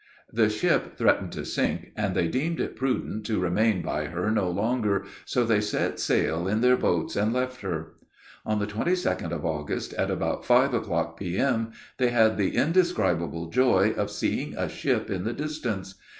The ship threatened to sink, and they deemed it prudent to remain by her no longer, so they set sail in their boats and left her. On the 22d of August, at about five o'clock P.M., they had the indescribable joy of seeing a ship in the distance.